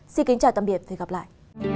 xin kính chào tạm biệt và hẹn gặp lại